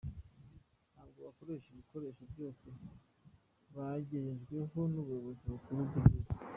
Ntabwo bakoresha ibikoresho byose bagejejweho n’ubuyobozi bukuru bw’igihugu.